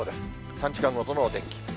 ３時間ごとのお天気。